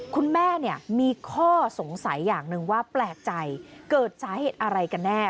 คุณแม่มีข้อสงสัยอย่างหนึ่งว่าแปลกใจเกิดสาเหตุอะไรกันแน่